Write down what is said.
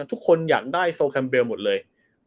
ทุกคนอยากได้โซแคมเบลหมดเลย